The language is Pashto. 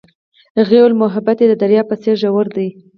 هغې وویل محبت یې د دریاب په څېر ژور دی.